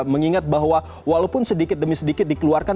mengingat bahwa walaupun sedikit demi sedikit dikeluarkan